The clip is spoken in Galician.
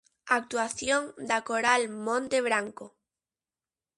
Actuación da coral Monte Branco.